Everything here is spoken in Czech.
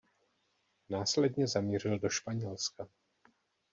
Následně zamířil do Španělska.